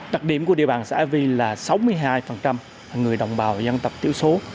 đặc điểm của địa bàn xã e là sáu mươi hai là người đồng bào dân tộc thiểu số